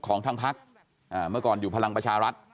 ของทางพักเมื่อก่อนอยู่พลังประชารัฐ